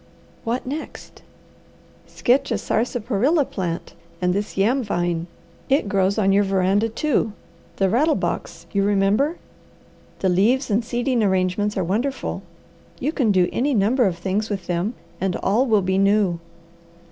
"What next?" "Sketch a sarsaparilla plant and this yam vine. It grows on your veranda too the rattle box, you remember. The leaves and seeding arrangements are wonderful. You can do any number of things with them, and all will be new."